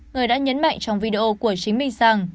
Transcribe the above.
người đã nhấn mạnh trong video của chính mình rằng